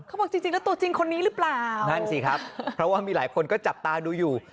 เขาบอกจริงจริงแล้วตัวจริงคนนี้หรือเปล่านั่นสิครับเพราะว่ามีหลายคนก็จับตาดูอยู่